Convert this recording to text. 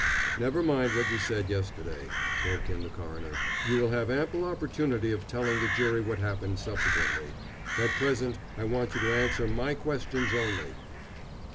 "Never mind what you said yesterday," broke in the coroner. "You will have another opportunity of telling the jury what happened subsequently. At present I want you to answer my questions only."